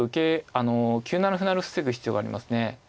あの９七歩成を防ぐ必要がありますね。